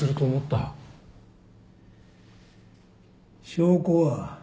証拠は？